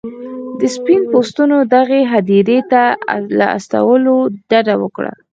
د سپین پوستو دغې هدیرې ته له استولو ډډه وکړه.